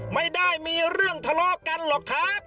ไม่ได้มีเรื่องทะเลาะกันหรอกครับ